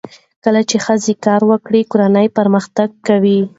کله چې ښځه کار وکړي، کورنۍ پرمختګ کوي.